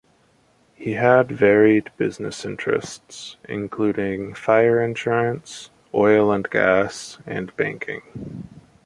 He had varied business interests, including fire insurance, oil and gas, and banking.